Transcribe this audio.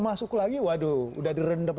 masuk lagi waduh udah direndam